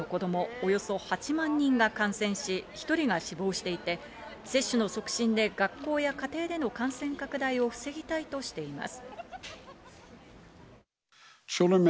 およそ８万人が感染し、１人が死亡していて接種の促進で学校や家庭での感染拡大を防ぎたいとしています。